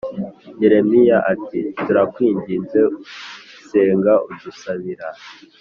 Yeremiya ati turakwinginze senga udusabira